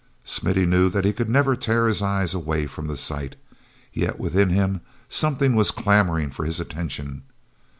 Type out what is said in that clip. Smithy knew that he could never tear his eyes away from the sight. Yet within him something was clamoring for his attention.